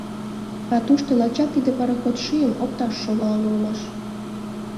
А тушто лачак тиде пароход шӱйым опташ шогалын улмаш.